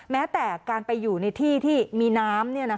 แม้แต่การไปอยู่ในที่ที่มีน้ำ